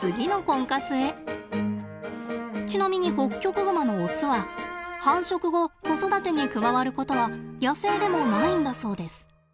ちなみにホッキョクグマのオスは繁殖後子育てに加わることは野生でもないんだそうです。